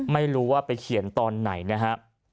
ไม่รู้ว่าไปเขียนตอนไหนนะฮะ